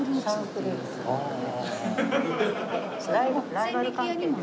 ライバル関係です。